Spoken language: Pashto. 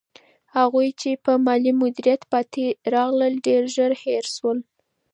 هغوی چې په مالي مدیریت کې پاتې راغلل، ډېر ژر هېر شول.